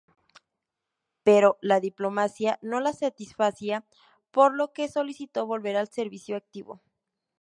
Pero la diplomacia no le satisfacía, por lo que solicitó volver al servicio activo.